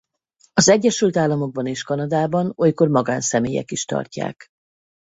Az Egyesült Államokban és Kanadában olykor magánszemélyek is tartják.